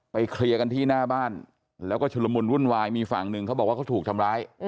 เคลียร์กันที่หน้าบ้านแล้วก็ชุลมุนวุ่นวายมีฝั่งหนึ่งเขาบอกว่าเขาถูกทำร้าย